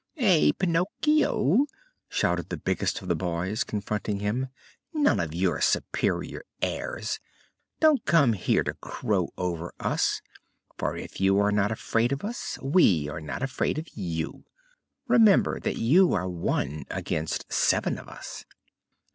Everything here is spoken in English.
"Eh, Pinocchio" shouted the biggest of the boys, confronting him. "None of your superior airs: don't come here to crow over us, for if you are not afraid of us, we are not afraid of you. Remember that you are one against seven of us."